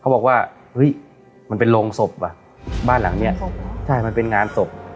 บอกว่าเฮ้ยมันเป็นโรงศพว่ะบ้านหลังเนี้ยใช่มันเป็นงานศพ